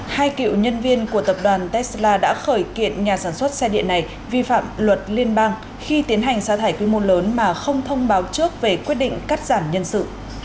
hai cựu nhân viên của tập đoàn tesla đã khởi kiện nhà sản xuất xe điện này vi phạm luật liên bang khi tiến hành xa thải quy mô lớn mà không thông báo trước về quyết định cắt giảm nhân sự